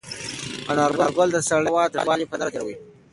انارګل د سړې هوا تریخوالی په نره تېراوه.